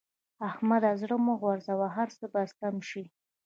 احمده! زړه مه غورځوه؛ هر څه به سم شي.